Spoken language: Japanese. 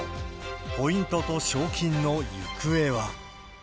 ポイントと賞金の行方は。